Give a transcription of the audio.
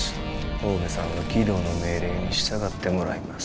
大さんは儀藤の命令に従ってもらいます。